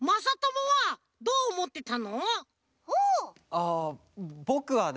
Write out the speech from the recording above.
あぼくはね